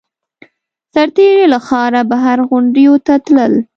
سرتېري له ښاره بهر غونډیو ته تلل